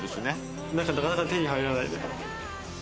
なかなか手に入らない。